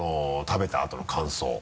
食べたあとの感想。